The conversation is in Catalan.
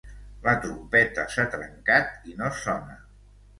La trompeta s'ha trencat i no sona.